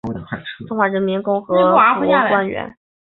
中华人民共和国官员。